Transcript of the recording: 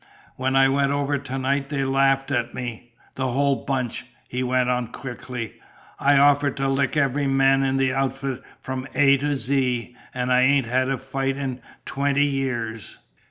"When I went over to night they laughed at me the whole bunch," he went on thickly. "I offered to lick every man in the outfit from A to Z, an' I ain't had a fight in twenty years.